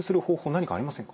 何かありませんか？